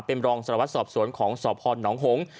เป็นรองสรวจสบสวนของสอบพ่อนหลองหงฯ